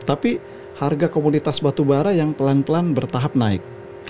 tapi harga komunitas batubara yang pelan pelan bertahap naik